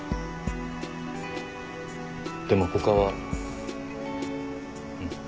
でも他はうん。